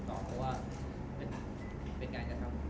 เมื่อที่ว่ามีป่ายคราวนี้รับญาติที่ใหญ่ที่รับรบรบคือรับเกษตรใคร